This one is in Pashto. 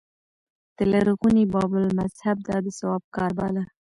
د لرغوني بابل مذهب دا د ثواب کار باله